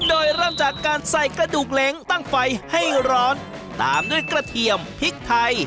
โดยเริ่มจากการใส่กระดูกเล้งตั้งไฟให้ร้อนตามด้วยกระเทียมพริกไทย